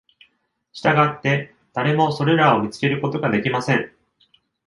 したがって、誰もそれらを見つけることができません！